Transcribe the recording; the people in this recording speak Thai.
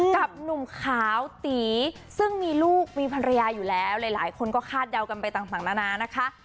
กับหนุ่มขาวตีซึ่งมีลูกมีภรรยาอยู่แล้วหลายคนก็คาดเดากันไปต่างนานานะคะ